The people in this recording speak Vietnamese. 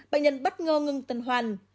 bệnh nhân bất ngờ ngưng tần hoàn